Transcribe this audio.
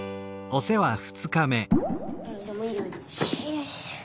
よいしょ。